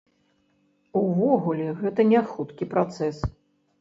Увогуле гэта не хуткі працэс.